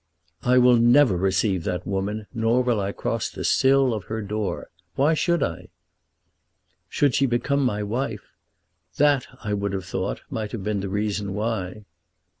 "I will never receive that woman, nor will I cross the sill of her door. Why should I?" "Should she become my wife, that I would have thought might have been the reason why."